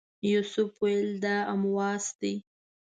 یوسف ویل دا امواس دی.